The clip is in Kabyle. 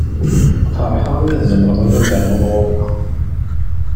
Feṛḥeɣ i mi tzemreḍ ad d-ternuḍ ɣuṛ-nneɣ.